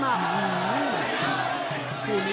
เจ้าสองเจ้าสอง